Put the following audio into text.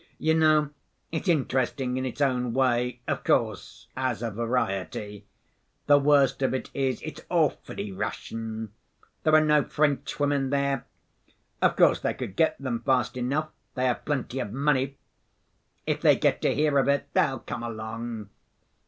You know, it's interesting in its own way, of course, as a variety. The worst of it is it's awfully Russian. There are no French women there. Of course they could get them fast enough, they have plenty of money. If they get to hear of it they'll come along.